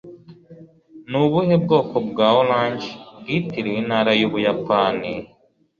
Ni ubuhe bwoko bwa Orange bwitiriwe intara y'Ubuyapani?